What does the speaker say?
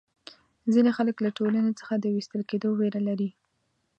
ځینې خلک له ټولنې څخه د وېستل کېدو وېره لري.